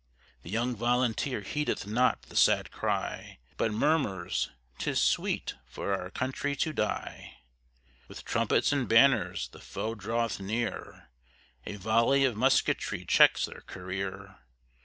The young volunteer heedeth not the sad cry But murmurs, "'Tis sweet for our country to die!" With trumpets and banners the foe draweth near: A volley of musketry checks their career!